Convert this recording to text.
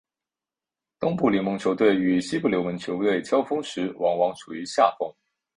东部联盟球队与西部联盟球队交锋时往往处于下风。